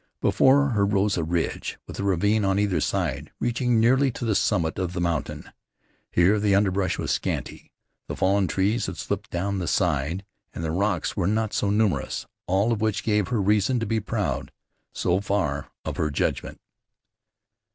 Before her rose a ridge, with a ravine on either side, reaching nearly to the summit of the mountain. Here the underbrush was scanty, the fallen trees had slipped down the side, and the rocks were not so numerous, all of which gave her reason to be proud, so far, of her judgment.